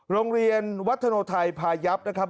โรงเรียนวัฒโนไทยพายับนะครับ